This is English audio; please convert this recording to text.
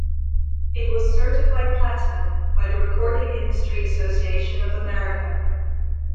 It was certified Platinum by the Recording Industry Association of America.